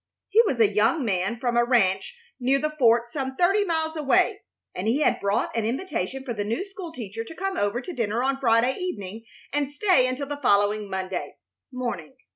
He was a young man from a ranch near the fort some thirty miles away, and he had brought an invitation for the new school teacher to come over to dinner on Friday evening and stay until the following Monday morning.